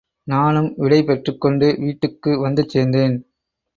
நானும் விடை பெற்றுக்கொண்டு வீட்டுக்கு வந்து சேர்ந்தேன்.